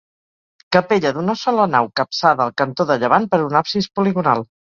Capella d'una sola nau capçada al cantó de llevant per un absis poligonal.